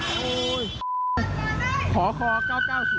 ไม่ต้องแข้งจอดอยู่นี้เลย